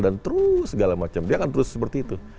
dan terus segala macam dia akan terus seperti itu